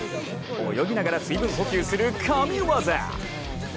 泳ぎながら水分補給する神業。